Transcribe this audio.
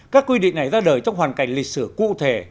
các quy định này ra đời trong hoàn cảnh lịch sử cụ thể